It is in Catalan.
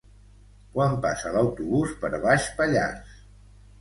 Quan passa l'autobús per Baix Pallars?